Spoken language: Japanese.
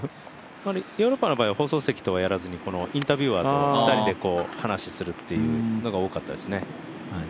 ヨーロッパの場合は放送席とやらずにインタビュアーと２人で話するっていうのが多かったですね。